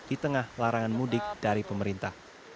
di tengah larangan mudik dari pemerintah